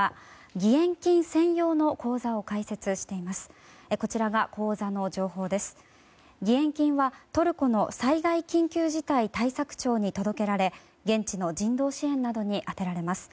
義援金はトルコの災害緊急事態対策庁に届けられ、現地の人道支援などに充てられます。